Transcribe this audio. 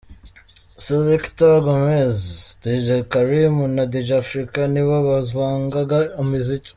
Selector Gomez, Dj Karim na Dj Africa ni bo bavangaga imiziki.